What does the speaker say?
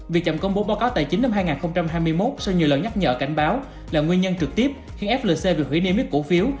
việc chậm công bố báo cáo tài chính năm hai nghìn hai mươi một sau nhiều lần nhắc nhở cảnh báo là nguyên nhân trực tiếp khiến flc việc hủy niêm yết cổ phiếu